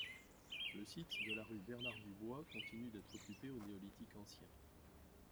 Le site de la rue Bernard-Dubois continue d’être occupé au Néolithique ancien.